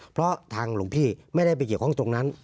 เพราะทางหลวงพี่ไม่ได้ไปเกี่ยวข้องตรงนั้น